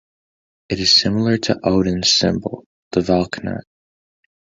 It is similar to Odin's symbol, the valknut.